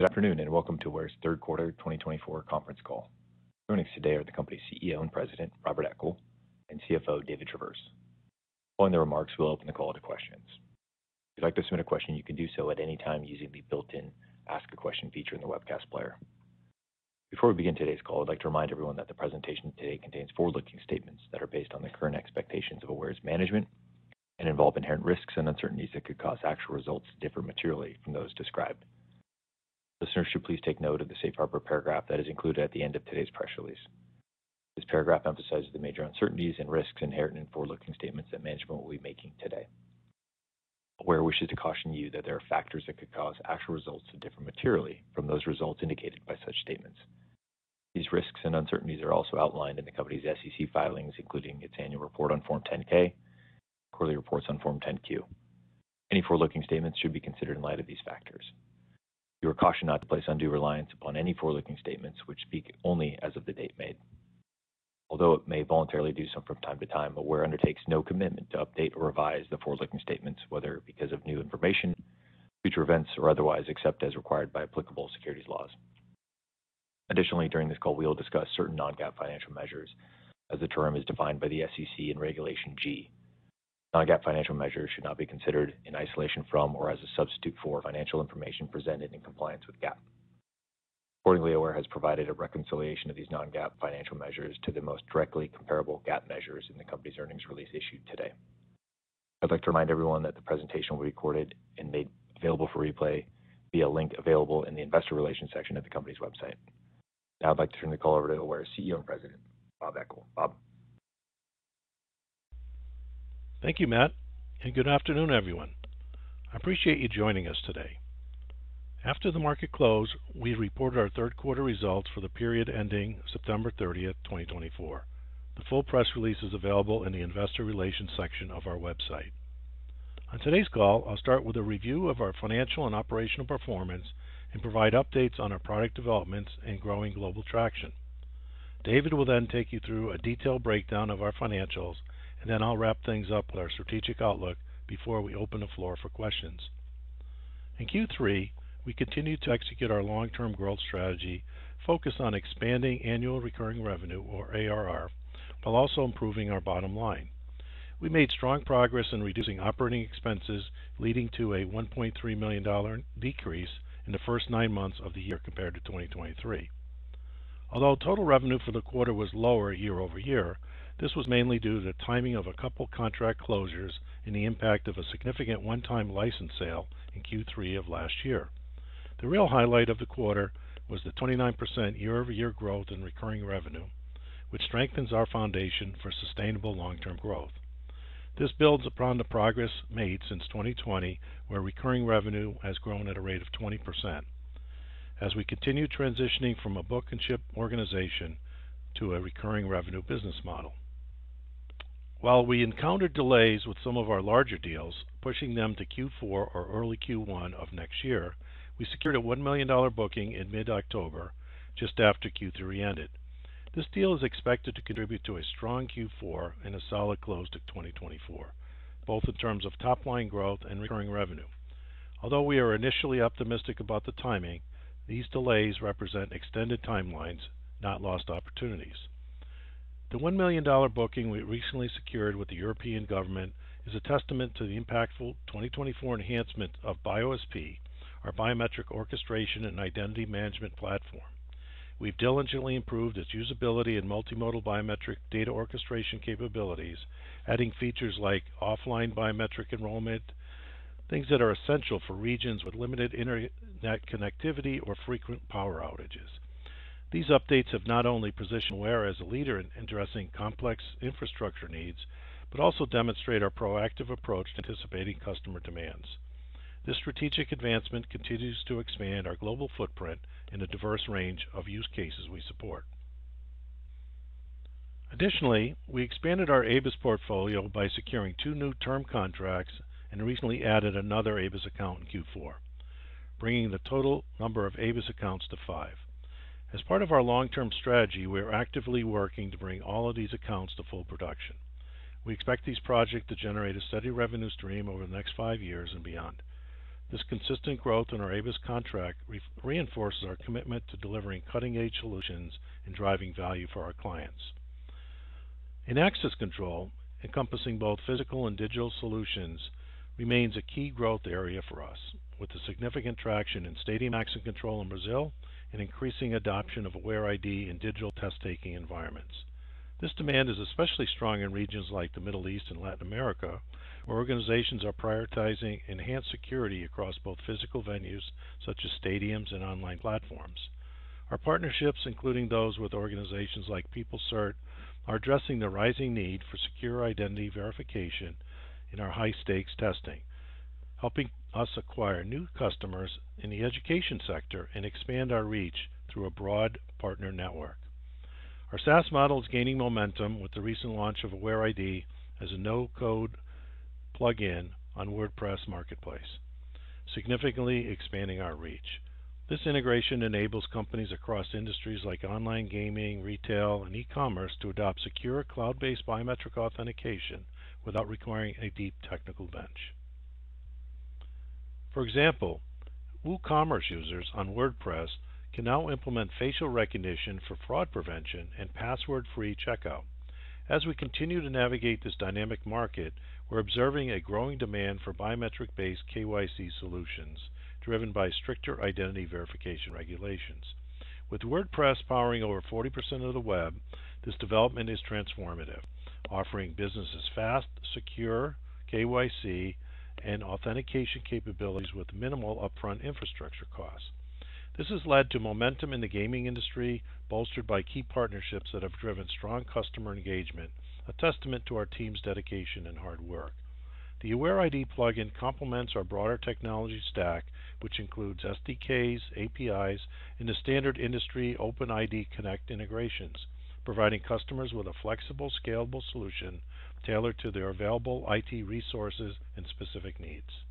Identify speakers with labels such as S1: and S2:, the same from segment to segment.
S1: Good afternoon and welcome to Aware's Third Quarter 2024 Conference Call. Joining us today are the company's CEO and President, Robert Eckel, and CFO, David Travis. Following the remarks, we'll open the call to questions. If you'd like to submit a question, you can do so at any time using the built-in Ask a Question feature in the webcast player. Before we begin today's call, I'd like to remind everyone that the presentation today contains forward-looking statements that are based on the current expectations of Aware's management and involve inherent risks and uncertainties that could cause actual results to differ materially from those described. Listeners should please take note of the safe harbor paragraph that is included at the end of today's press release. This paragraph emphasizes the major uncertainties and risks inherent in forward-looking statements that management will be making today. Aware wishes to caution you that there are factors that could cause actual results to differ materially from those results indicated by such statements. These risks and uncertainties are also outlined in the company's SEC filings, including its annual report on Form 10-K and quarterly reports on Form 10-Q. Any forward-looking statements should be considered in light of these factors. We were cautioned not to place undue reliance upon any forward-looking statements which speak only as of the date made. Although it may voluntarily do so from time to time, Aware undertakes no commitment to update or revise the forward-looking statements, whether because of new information, future events, or otherwise, except as required by applicable securities laws. Additionally, during this call, we'll discuss certain non-GAAP financial measures, as the term is defined by the SEC in Regulation G. Non-GAAP financial measures should not be considered in isolation from or as a substitute for financial information presented in compliance with GAAP. Accordingly, Aware has provided a reconciliation of these non-GAAP financial measures to the most directly comparable GAAP measures in the company's earnings release issued today. I'd like to remind everyone that the presentation will be recorded and made available for replay via a link available in the investor relations section of the company's website. Now, I'd like to turn the call over to Aware's CEO and President, Bob Eckel. Bob.
S2: Thank you, Matt, and good afternoon, everyone. I appreciate you joining us today. After the market close, we report our third quarter results for the period ending September 30, 2024. The full press release is available in the investor relations section of our website. On today's call, I'll start with a review of our financial and operational performance and provide updates on our product developments and growing global traction. David will then take you through a detailed breakdown of our financials, and then I'll wrap things up with our strategic outlook before we open the floor for questions. In Q3, we continued to execute our long-term growth strategy, focused on expanding annual recurring revenue, or ARR, while also improving our bottom line. We made strong progress in reducing operating expenses, leading to a $1.3 million decrease in the first nine months of the year compared to 2023. Although total revenue for the quarter was lower year-over-year, this was mainly due to the timing of a couple of contract closures and the impact of a significant one-time license sale in Q3 of last year. The real highlight of the quarter was the 29% year-over-year growth in recurring revenue, which strengthens our foundation for sustainable long-term growth. This builds upon the progress made since 2020, where recurring revenue has grown at a rate of 20%, as we continue transitioning from a book-and-ship organization to a recurring revenue business model. While we encountered delays with some of our larger deals, pushing them to Q4 or early Q1 of next year, we secured a $1 million booking in mid-October, just after Q3 ended. This deal is expected to contribute to a strong Q4 and a solid close to 2024, both in terms of top-line growth and recurring revenue. Although we are initially optimistic about the timing, these delays represent extended timelines, not lost opportunities. The $1 million booking we recently secured with the European government is a testament to the impactful 2024 enhancement of BioSP, our biometric orchestration and identity management platform. We've diligently improved its usability and multimodal biometric data orchestration capabilities, adding features like offline biometric enrollment, things that are essential for regions with limited internet connectivity or frequent power outages. These updates have not only positioned Aware as a leader in addressing complex infrastructure needs but also demonstrate our proactive approach to anticipating customer demands. This strategic advancement continues to expand our global footprint in a diverse range of use cases we support. Additionally, we expanded our ABIS portfolio by securing two new term contracts and recently added another ABIS account in Q4, bringing the total number of ABIS accounts to five. As part of our long-term strategy, we are actively working to bring all of these accounts to full production. We expect these projects to generate a steady revenue stream over the next five years and beyond. This consistent growth in our ABIS contract reinforces our commitment to delivering cutting-edge solutions and driving value for our clients. In access control, encompassing both physical and digital solutions, remains a key growth area for us, with the significant traction in stadium access control in Brazil and increasing adoption of AwareID in digital test-taking environments. This demand is especially strong in regions like the Middle East and Latin America, where organizations are prioritizing enhanced security across both physical venues such as stadiums and online platforms. Our partnerships, including those with organizations like PeopleCert, are addressing the rising need for secure identity verification in our high-stakes testing, helping us acquire new customers in the education sector and expand our reach through a broad partner network. Our SaaS model is gaining momentum with the recent launch of AwareID as a no-code plugin on WordPress Marketplace, significantly expanding our reach. This integration enables companies across industries like online gaming, retail, and e-commerce to adopt secure cloud-based biometric authentication without requiring a deep technical bench. For example, WooCommerce users on WordPress can now implement facial recognition for fraud prevention and password-free checkout. As we continue to navigate this dynamic market, we're observing a growing demand for biometric-based KYC solutions driven by stricter identity verification regulations. With WordPress powering over 40% of the web, this development is transformative, offering businesses fast, secure KYC and authentication capabilities with minimal upfront infrastructure costs. This has led to momentum in the gaming industry, bolstered by key partnerships that have driven strong customer engagement, a testament to our team's dedication and hard work. The AwareID plugin complements our broader technology stack, which includes SDKs, APIs, and the standard industry OpenID Connect integrations, providing customers with a flexible, scalable solution tailored to their available IT resources and specific needs.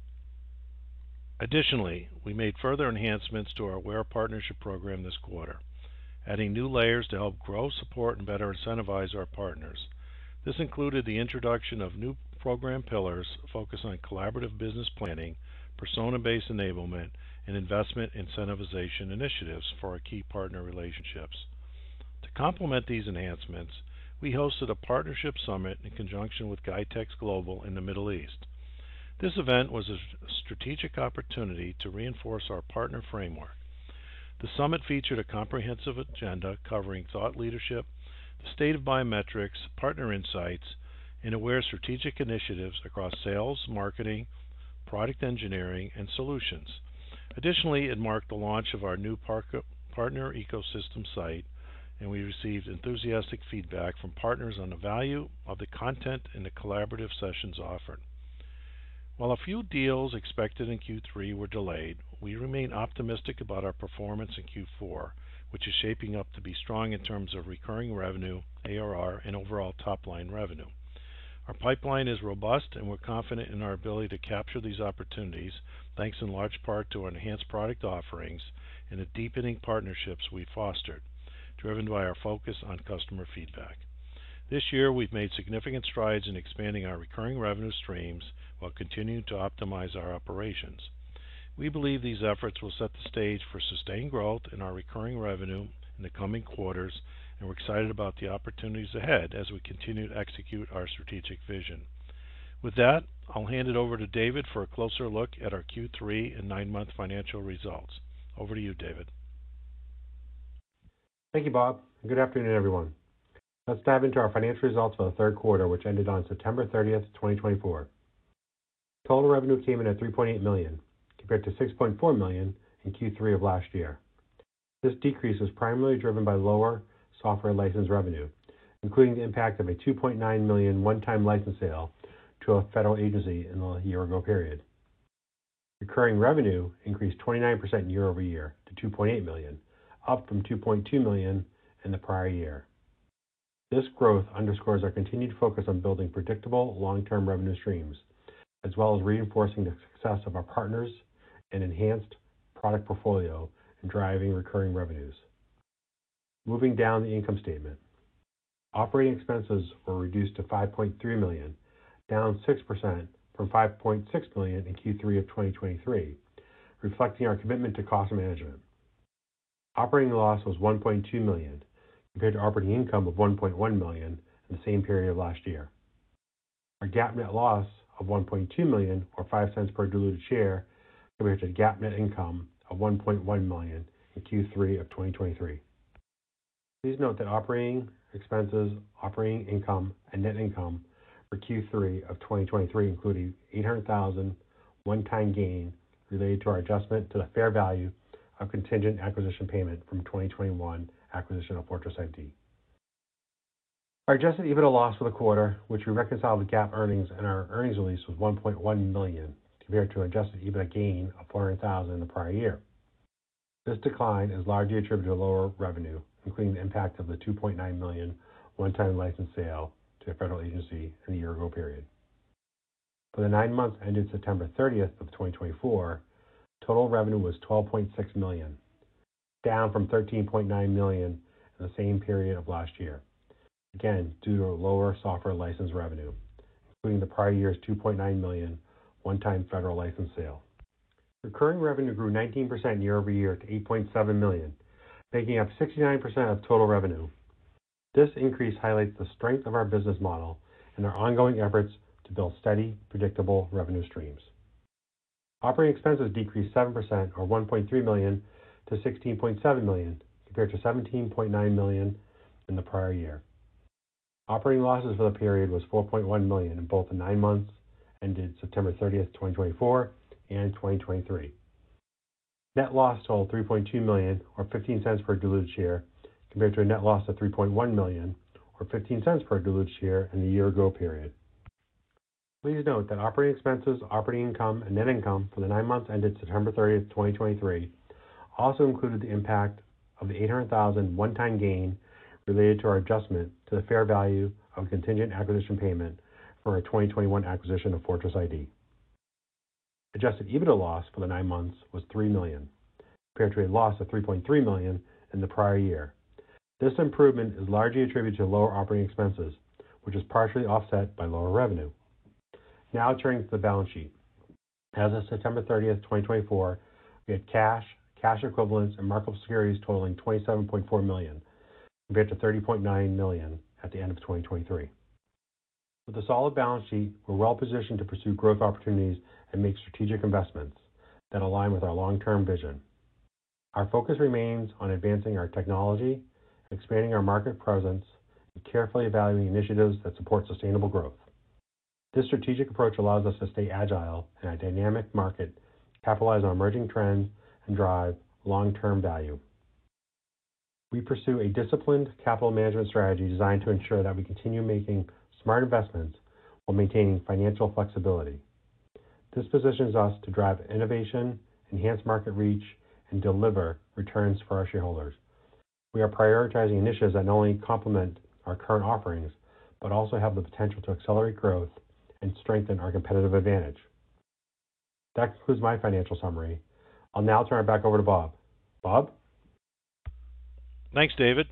S2: Additionally, we made further enhancements to our Aware partnership program this quarter, adding new layers to help grow, support, and better incentivize our partners. This included the introduction of new program pillars focused on collaborative business planning, persona-based enablement, and investment incentivization initiatives for our key partner relationships. To complement these enhancements, we hosted a partnership summit in conjunction with GITEX Global in the Middle East. This event was a strategic opportunity to reinforce our partner framework. The summit featured a comprehensive agenda covering thought leadership, the state of biometrics, partner insights, and Aware strategic initiatives across sales, marketing, product engineering, and solutions. Additionally, it marked the launch of our new partner ecosystem site, and we received enthusiastic feedback from partners on the value of the content and the collaborative sessions offered. While a few deals expected in Q3 were delayed, we remain optimistic about our performance in Q4, which is shaping up to be strong in terms of recurring revenue, ARR, and overall top-line revenue. Our pipeline is robust, and we're confident in our ability to capture these opportunities, thanks in large part to our enhanced product offerings and the deepening partnerships we've fostered, driven by our focus on customer feedback. This year, we've made significant strides in expanding our recurring revenue streams while continuing to optimize our operations. We believe these efforts will set the stage for sustained growth in our recurring revenue in the coming quarters, and we're excited about the opportunities ahead as we continue to execute our strategic vision. With that, I'll hand it over to David for a closer look at our Q3 and nine-month financial results. Over to you, David.
S3: Thank you, Bob. Good afternoon, everyone. Let's dive into our financial results for the third quarter, which ended on September 30, 2024. Total revenue came in at $3.8 million, compared to $6.4 million in Q3 of last year. This decrease was primarily driven by lower software license revenue, including the impact of a $2.9 million one-time license sale to a federal agency in the year-ago period. Recurring revenue increased 29% year-over-year to $2.8 million, up from $2.2 million in the prior year. This growth underscores our continued focus on building predictable long-term revenue streams, as well as reinforcing the success of our partners and enhanced product portfolio in driving recurring revenues. Moving down the income statement, operating expenses were reduced to $5.3 million, down 6% from $5.6 million in Q3 of 2023, reflecting our commitment to cost management. Operating loss was $1.2 million, compared to operating income of $1.1 million in the same period of last year. Our GAAP net loss of $1.2 million, or $0.05 per diluted share, compared to GAAP net income of $1.1 million in Q3 of 2023. Please note that operating expenses, operating income, and net income for Q3 of 2023 included $800,000 one-time gain related to our adjustment to the fair value of contingent acquisition payment from 2021 acquisition of Fortress IT. Our adjusted EBITDA loss for the quarter, which we reconciled with GAAP earnings in our earnings release, was $1.1 million, compared to an adjusted EBITDA gain of $400,000 in the prior year. This decline is largely attributed to lower revenue, including the impact of the $2.9 million one-time license sale to a federal agency in the year-ago period. For the nine months ended September 30, 2024, total revenue was $12.6 million, down from $13.9 million in the same period of last year, again due to lower software license revenue, including the prior year's $2.9 million one-time federal license sale. Recurring revenue grew 19% year-over-year to $8.7 million, making up 69% of total revenue. This increase highlights the strength of our business model and our ongoing efforts to build steady, predictable revenue streams. Operating expenses decreased 7%, or $1.3 million, to $16.7 million, compared to $17.9 million in the prior year. Operating losses for the period was $4.1 million in both the nine months ended September 30, 2024, and 2023. Net loss totaled $3.2 million, or $0.15 per diluted share, compared to a net loss of $3.1 million, or $0.15 per diluted share in the year-ago period. Please note that operating expenses, operating income, and net income for the nine months ended September 30, 2023, also included the impact of the $800,000 one-time gain related to our adjustment to the fair value of contingent acquisition payment for our 2021 acquisition of Fortress Identity. Adjusted EBITDA loss for the nine months was $3 million, compared to a loss of $3.3 million in the prior year. This improvement is largely attributed to lower operating expenses, which is partially offset by lower revenue. Now turning to the balance sheet. As of September 30, 2024, we had cash, cash equivalents, and marketable securities totaling $27.4 million, compared to $30.9 million at the end of 2023. With a solid balance sheet, we're well-positioned to pursue growth opportunities and make strategic investments that align with our long-term vision. Our focus remains on advancing our technology, expanding our market presence, and carefully evaluating initiatives that support sustainable growth. This strategic approach allows us to stay agile in a dynamic market, capitalize on emerging trends, and drive long-term value. We pursue a disciplined capital management strategy designed to ensure that we continue making smart investments while maintaining financial flexibility. This positions us to drive innovation, enhance market reach, and deliver returns for our shareholders. We are prioritizing initiatives that not only complement our current offerings but also have the potential to accelerate growth and strengthen our competitive advantage. That concludes my financial summary. I'll now turn it back over to Bob. Bob?
S2: Thanks, David.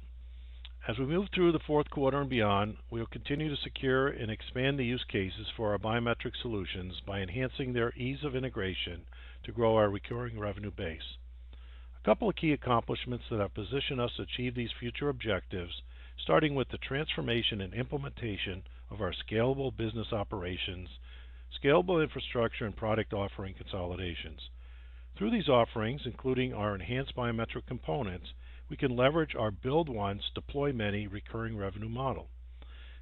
S2: As we move through the fourth quarter and beyond, we will continue to secure and expand the use cases for our biometric solutions by enhancing their ease of integration to grow our recurring revenue base. A couple of key accomplishments that have positioned us to achieve these future objectives, starting with the transformation and implementation of our scalable business operations, scalable infrastructure, and product offering consolidations. Through these offerings, including our enhanced biometric components, we can leverage our build-once-deploy-many recurring revenue model.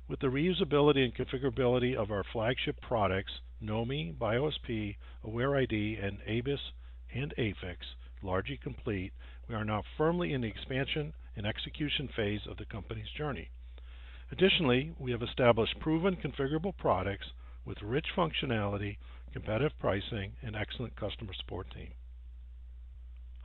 S2: With the reusability and configurability of our flagship products, Knomi, BioSP, AwareID, and ABIS and AFIX, largely complete, we are now firmly in the expansion and execution phase of the company's journey. Additionally, we have established proven configurable products with rich functionality, competitive pricing, and an excellent customer support team.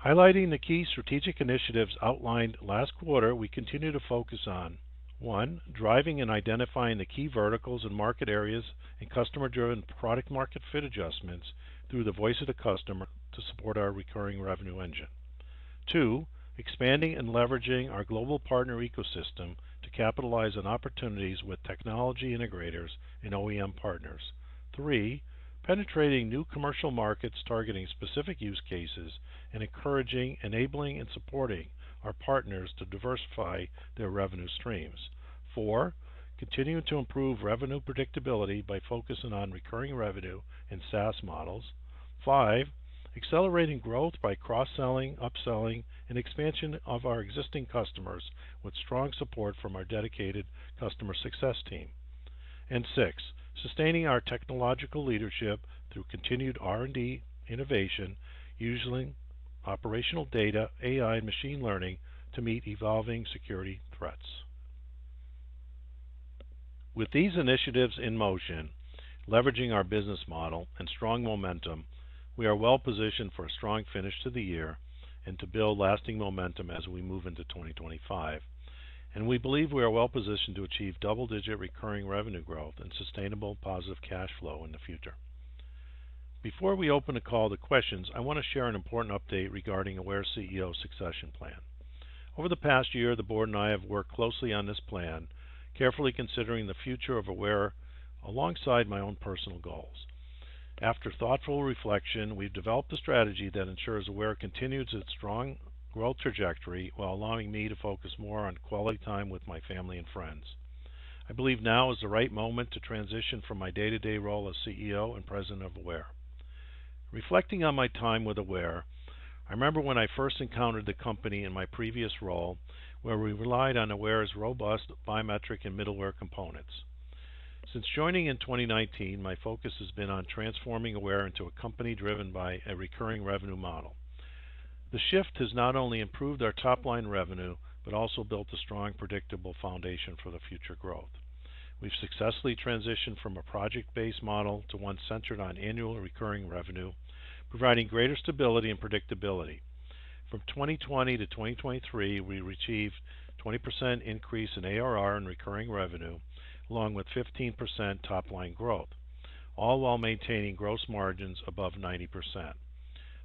S2: Highlighting the key strategic initiatives outlined last quarter, we continue to focus on one, driving and identifying the key verticals and market areas and customer-driven product-market fit adjustments through the voice of the customer to support our recurring revenue engine. Two, expanding and leveraging our global partner ecosystem to capitalize on opportunities with technology integrators and OEM partners. Three, penetrating new commercial markets targeting specific use cases and encouraging, enabling, and supporting our partners to diversify their revenue streams. Four, continuing to improve revenue predictability by focusing on recurring revenue and SaaS models. Five, accelerating growth by cross-selling, upselling, and expansion of our existing customers with strong support from our dedicated customer success team. And six, sustaining our technological leadership through continued R&D, innovation, using operational data, AI, and machine learning to meet evolving security threats. With these initiatives in motion, leveraging our business model and strong momentum, we are well-positioned for a strong finish to the year and to build lasting momentum as we move into 2025. We believe we are well-positioned to achieve double-digit recurring revenue growth and sustainable positive cash flow in the future. Before we open the call to questions, I want to share an important update regarding Aware's CEO succession plan. Over the past year, the board and I have worked closely on this plan, carefully considering the future of Aware alongside my own personal goals. After thoughtful reflection, we've developed a strategy that ensures Aware continues its strong growth trajectory while allowing me to focus more on quality time with my family and friends. I believe now is the right moment to transition from my day-to-day role as CEO and President of Aware. Reflecting on my time with Aware, I remember when I first encountered the company in my previous role where we relied on Aware's robust biometric and middleware components. Since joining in 2019, my focus has been on transforming Aware into a company driven by a recurring revenue model. The shift has not only improved our top-line revenue but also built a strong, predictable foundation for the future growth. We've successfully transitioned from a project-based model to one centered on annual recurring revenue, providing greater stability and predictability. From 2020 to 2023, we've achieved a 20% increase in ARR and recurring revenue, along with 15% top-line growth, all while maintaining gross margins above 90%.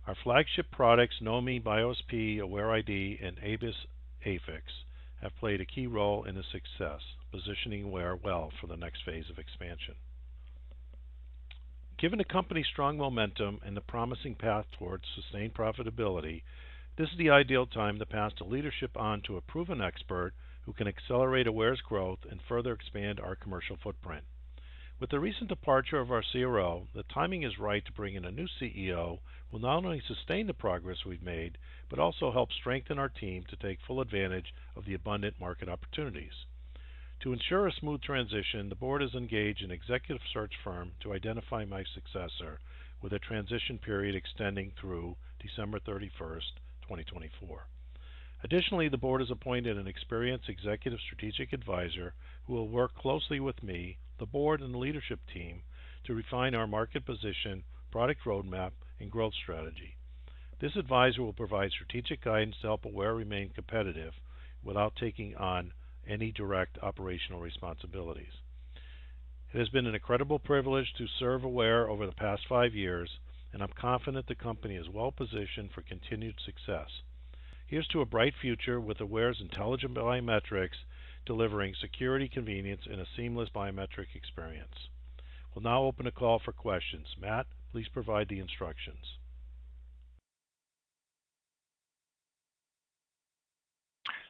S2: Our flagship products, Knomi, BioSP, AwareID, and ABIS AFIX, have played a key role in the success, positioning Aware well for the next phase of expansion. Given the company's strong momentum and the promising path towards sustained profitability, this is the ideal time to pass the leadership on to a proven expert who can accelerate AWARE's growth and further expand our commercial footprint. With the recent departure of our CRO, the timing is right to bring in a new CEO who will not only sustain the progress we've made but also help strengthen our team to take full advantage of the abundant market opportunities. To ensure a smooth transition, the board has engaged an executive search firm to identify my successor, with a transition period extending through December 31, 2024. Additionally, the board has appointed an experienced executive strategic advisor who will work closely with me, the board, and the leadership team to refine our market position, product roadmap, and growth strategy. This advisor will provide strategic guidance to help Aware remain competitive without taking on any direct operational responsibilities. It has been an incredible privilege to serve Aware over the past five years, and I'm confident the company is well-positioned for continued success. Here's to a bright future with Aware's intelligent biometrics delivering security convenience and a seamless biometric experience. We'll now open a call for questions. Matt, please provide the instructions.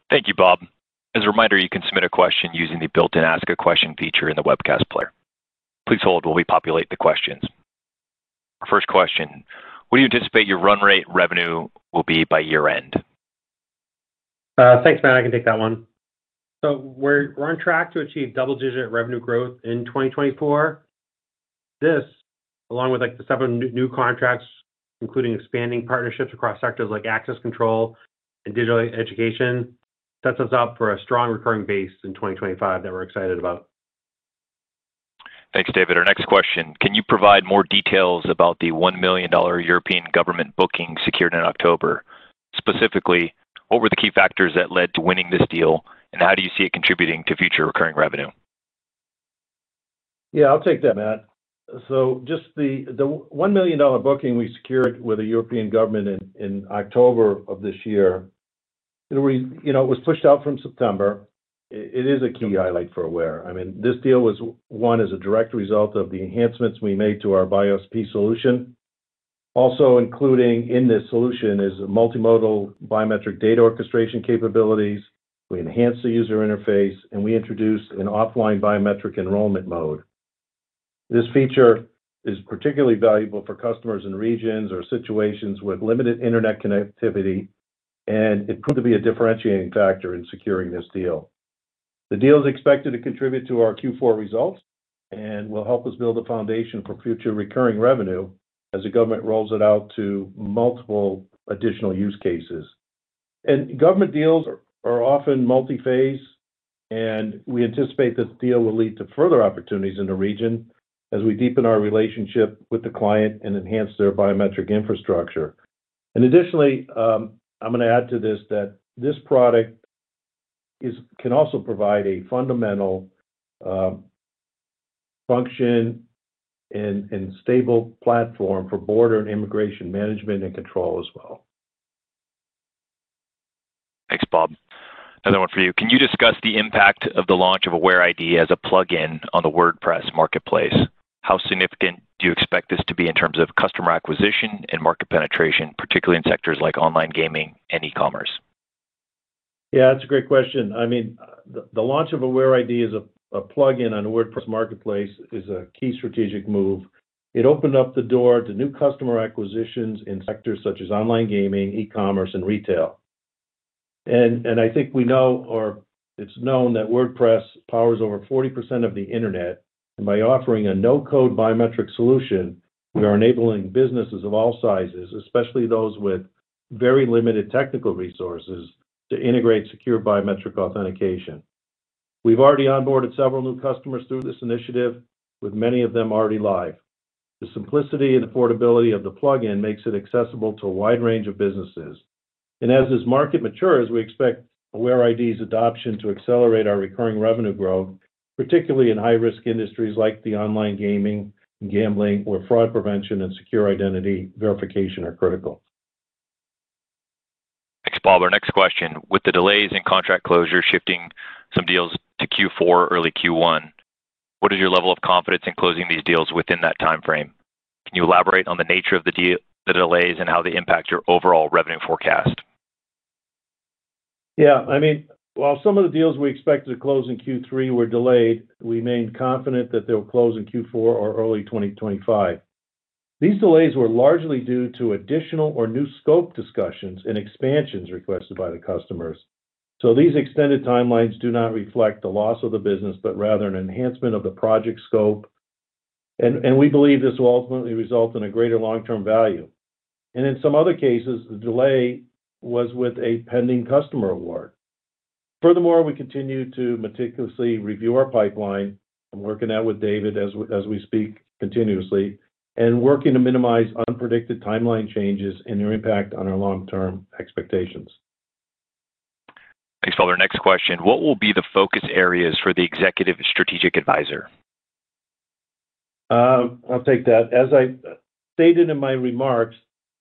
S1: Thank you, Bob. As a reminder, you can submit a question using the built-in Ask a Question feature in the webcast player. Please hold while we populate the questions. First question. What do you anticipate your run rate revenue will be by year-end?
S3: Thanks, Matt. I can take that one. So we're on track to achieve double-digit revenue growth in 2024. This, along with the seven new contracts, including expanding partnerships across sectors like access control and digital education, sets us up for a strong recurring base in 2025 that we're excited about.
S1: Thanks, David. Our next question. Can you provide more details about the $1 million European government booking secured in October? Specifically, what were the key factors that led to winning this deal, and how do you see it contributing to future recurring revenue?
S2: Yeah, I'll take that, Matt, so just the $1 million booking we secured with the European government in October of this year, it was pushed out from September. It is a key highlight for Aware. I mean, this deal was won as a direct result of the enhancements we made to our BioSP solution. Also, including in this solution is multimodal biometric data orchestration capabilities. We enhanced the user interface, and we introduced an offline biometric enrollment mode. This feature is particularly valuable for customers in regions or situations with limited internet connectivity, and it proved to be a differentiating factor in securing this deal. The deal is expected to contribute to our Q4 results and will help us build a foundation for future recurring revenue as the government rolls it out to multiple additional use cases. Government deals are often multi-phase, and we anticipate this deal will lead to further opportunities in the region as we deepen our relationship with the client and enhance their biometric infrastructure. Additionally, I'm going to add to this that this product can also provide a fundamental function and stable platform for border and immigration management and control as well.
S1: Thanks, Bob. Another one for you. Can you discuss the impact of the launch of AwareID as a plug-in on the WordPress Marketplace? How significant do you expect this to be in terms of customer acquisition and market penetration, particularly in sectors like online gaming and e-commerce?
S2: Yeah, that's a great question. I mean, the launch of AwareID as a plug-in on the WordPress Marketplace is a key strategic move. It opened up the door to new customer acquisitions in sectors such as online gaming, e-commerce, and retail, and I think we know or it's known that WordPress powers over 40% of the internet, and by offering a no-code biometric solution, we are enabling businesses of all sizes, especially those with very limited technical resources, to integrate secure biometric authentication. We've already onboarded several new customers through this initiative, with many of them already live. The simplicity and affordability of the plug-in makes it accessible to a wide range of businesses, and as this market matures, we expect AwareID's adoption to accelerate our recurring revenue growth, particularly in high-risk industries like the online gaming, gambling, where fraud prevention and secure identity verification are critical.
S1: Thanks, Bob. Our next question. With the delays in contract closure shifting some deals to Q4, early Q1, what is your level of confidence in closing these deals within that timeframe? Can you elaborate on the nature of the delays and how they impact your overall revenue forecast?
S2: Yeah. I mean, while some of the deals we expected to close in Q3 were delayed, we remained confident that they will close in Q4 or early 2025. These delays were largely due to additional or new scope discussions and expansions requested by the customers. So these extended timelines do not reflect the loss of the business, but rather an enhancement of the project scope. And we believe this will ultimately result in a greater long-term value. And in some other cases, the delay was with a pending customer award. Furthermore, we continue to meticulously review our pipeline. I'm working that with David as we speak continuously and working to minimize unpredicted timeline changes and their impact on our long-term expectations.
S1: Thanks, Bob. Our next question. What will be the focus areas for the executive strategic advisor?
S2: I'll take that. As I stated in my remarks,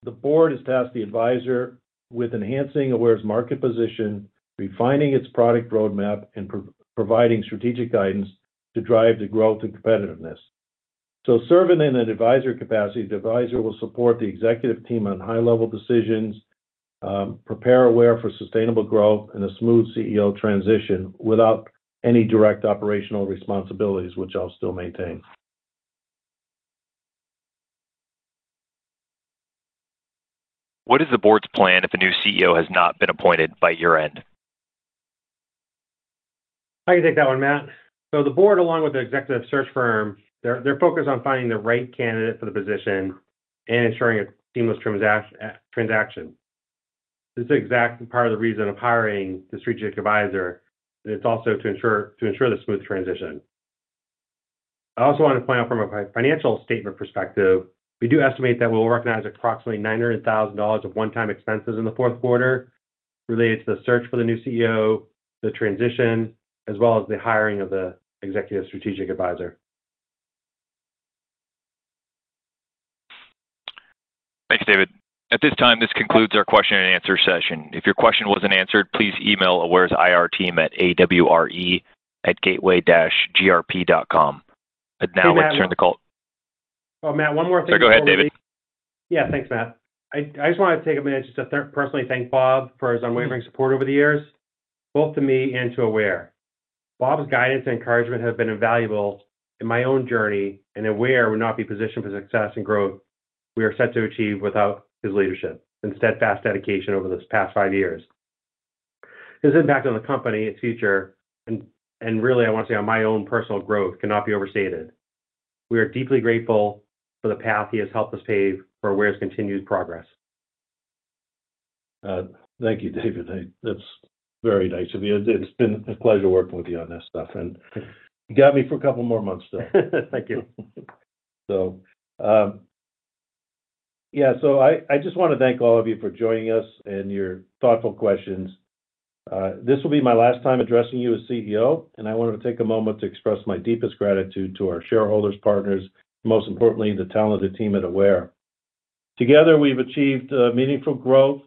S2: the board is tasked with enhancing Aware's market position, refining its product roadmap, and providing strategic guidance to drive the growth and competitiveness. So serving in an advisor capacity, the advisor will support the executive team on high-level decisions, prepare Aware for sustainable growth, and a smooth CEO transition without any direct operational responsibilities, which I'll still maintain.
S1: What is the board's plan if a new CEO has not been appointed by year-end?
S3: I can take that one, Matt. The board, along with the executive search firm, they're focused on finding the right candidate for the position and ensuring a seamless transition. This is exactly part of the reason of hiring the strategic advisor. It's also to ensure the smooth transition. I also want to point out from a financial statement perspective, we do estimate that we'll recognize approximately $900,000 of one-time expenses in the fourth quarter related to the search for the new CEO, the transition, as well as the hiring of the executive strategic advisor.
S1: Thanks, David. At this time, this concludes our question-and-answer session. If your question wasn't answered, please email Aware's IR team at awre@gateway-grp.com. And now, I'd like to turn the call.
S3: Oh, Matt, one more thing.
S1: Sorry, go ahead, David.
S3: Yeah, thanks, Matt. I just wanted to take a minute just to personally thank Bob for his unwavering support over the years, both to me and to Aware. Bob's guidance and encouragement have been invaluable in my own journey, and Aware would not be positioned for success and growth we are set to achieve without his leadership and steadfast dedication over the past five years. His impact on the company and its future, and really, I want to say on my own personal growth, cannot be overstated. We are deeply grateful for the path he has helped us pave for Aware's continued progress.
S2: Thank you, David. That's very nice of you. It's been a pleasure working with you on this stuff. And you got me for a couple more months still.
S3: Thank you.
S2: So yeah, so I just want to thank all of you for joining us and your thoughtful questions. This will be my last time addressing you as CEO, and I wanted to take a moment to express my deepest gratitude to our shareholders, partners, and most importantly, the talented team at Aware. Together, we've achieved meaningful growth,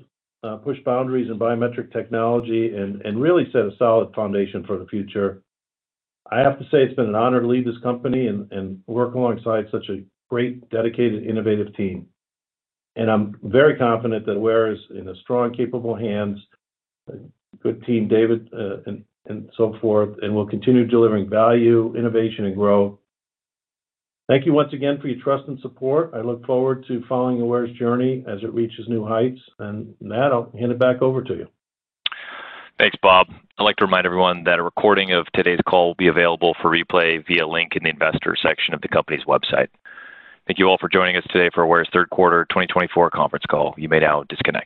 S2: pushed boundaries in biometric technology, and really set a solid foundation for the future. I have to say it's been an honor to lead this company and work alongside such a great, dedicated, innovative team. And I'm very confident that Aware is in strong, capable hands, a good team, David, and so forth, and will continue delivering value, innovation, and growth. Thank you once again for your trust and support. I look forward to following Aware's journey as it reaches new heights. And Matt, I'll hand it back over to you.
S1: Thanks, Bob. I'd like to remind everyone that a recording of today's call will be available for replay via link in the investor section of the company's website. Thank you all for joining us today for Aware's third quarter 2024 conference call. You may now disconnect.